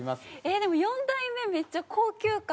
でも４代目めっちゃ高級感があって。